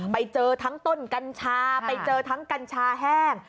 ไปเจอทั้งต้นกัญชาไปเจอทั้งกัญชาแห้ง